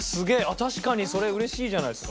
確かにそれ嬉しいじゃないですか。